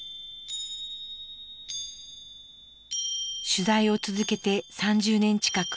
取材を続けて３０年近く。